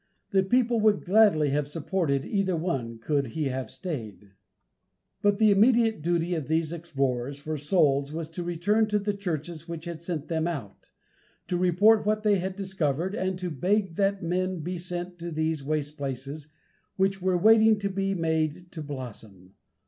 The people would gladly have supported either one could he have stayed. But the immediate duty of these explorers for souls was to return to the churches which had sent them out, to report what they had discovered, and to beg that men be sent to these waste places which were waiting to be made to blossom.